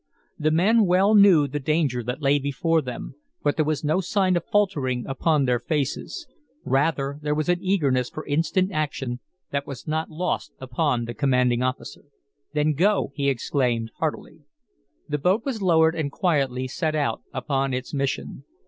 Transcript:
The men well knew the danger that lay before them, but there was no sign of faltering upon their faces. Rather, there was an eagerness for instant action that was not lost upon the commanding officer. "Then go!" he exclaimed, heartily. The boat was lowered, and quietly set out upon its mission.